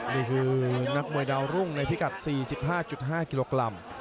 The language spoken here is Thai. นี่คือนักมวยดาวรุ่งในพิกัด๔๕๕กิโลกรัม